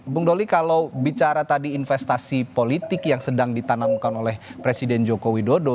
bung doli kalau bicara tadi investasi politik yang sedang ditanamkan oleh presiden joko widodo